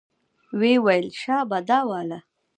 ويې ويل شابه دا واله.